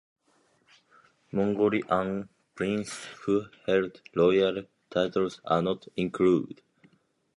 Mongolian princes who held royal titles are not included.